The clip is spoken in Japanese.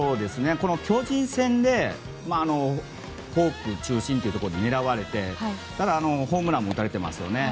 巨人戦でフォーク中心というところで狙われて、ホームランも打たれていますよね。